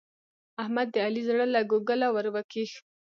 احمد د علي زړه له کوګله ور وکېښ.